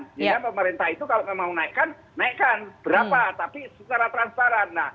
sehingga pemerintah itu kalau mau naikkan naikkan berapa tapi secara transparan